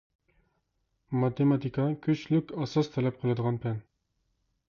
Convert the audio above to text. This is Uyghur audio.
ماتېماتىكا كۈچلۈك ئاساس تەلەپ قىلىدىغان پەن.